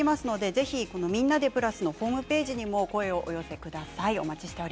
ぜひ「みんなでプラス」のホームページにも声をお寄せください。